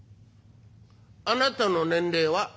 「あなたの年齢は？」。